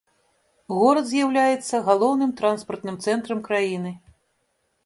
Горад з'яўляецца галоўным транспартным цэнтрам краіны.